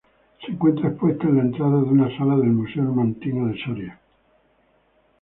Se encuentra expuesta en la entrada de una sala del Museo Numantino de Soria.